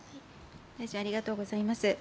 大臣、ありがとうございます。